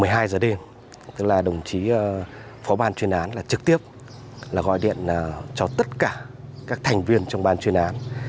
một mươi hai h đêm tức là đồng chí phó ban chuyên án trực tiếp gọi điện cho tất cả các thành viên trong ban chuyên án